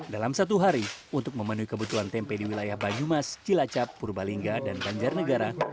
dalam satu hari untuk memenuhi kebutuhan tempe di wilayah banyumas cilacap purbalingga dan banjarnegara